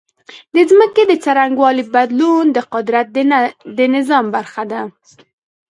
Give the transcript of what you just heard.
د ځمکې د څرنګوالي بدلون د قدرت د نظام برخه ده.